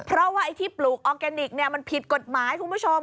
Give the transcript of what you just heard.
เพราะว่าไอ้ที่ปลูกออร์แกนิคมันผิดกฎหมายคุณผู้ชม